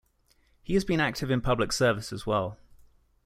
He has been active in public service as well.